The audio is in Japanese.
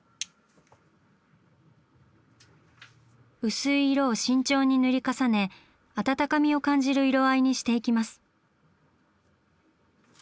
薄い色を慎重に塗り重ね温かみを感じる色合いにしていきます。